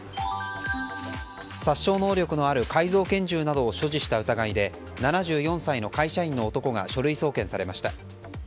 殺傷能力のある改造拳銃などを所持した疑いで７４歳の会社員の男が書類送検されました。